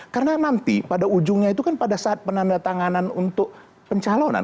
karena nanti pada ujungnya itu kan pada saat penanda tanganan untuk pencalonan